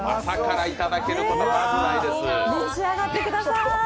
召し上がってください。